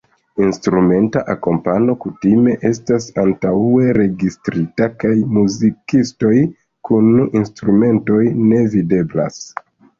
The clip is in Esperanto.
Instrumenta akompano kutime estas antaŭe registrita kaj muzikistoj kun instrumentoj ne videblas.